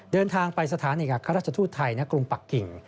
เดินทางไปสถานเอกอัครราชทูตไทยณกรุงปักกิ่ง